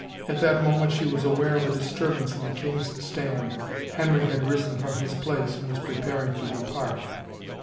At that moment she was aware of a disturbance in the king's stand; Henry had risen from his place and was preparing to depart.